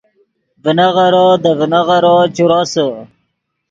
ڤینغیرو دے ڤینغیرو چے روسے